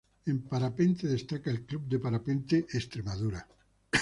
En parapente destaca el Club de Parapente Extremadura.